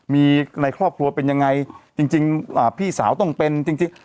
มีในครอบครัวเป็นยังไงจริงพี่สาวต้องเป็นจริง